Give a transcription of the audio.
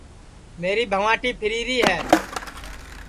میری بھنٚواٹی پھیریری ہے